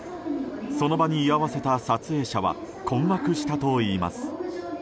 その場に居合わせた撮影者は困惑したといいます。